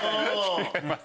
違います。